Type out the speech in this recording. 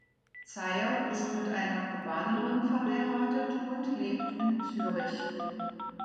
Zeyer ist mit einer Kubanerin verheiratet und lebt in Zürich.